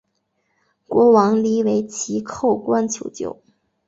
国王黎维祁叩关求救。